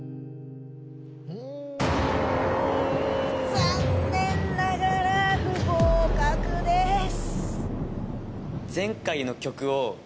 残念ながら不合格です。